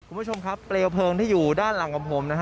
คุณผู้ชมครับเปลวเพลิงที่อยู่ด้านหลังของผมนะฮะ